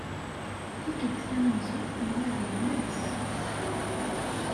Tikkelt tamenzut tenwa d gma-s.